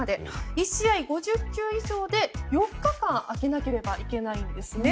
１試合５０球以上で４日間空けなければいけないんですね。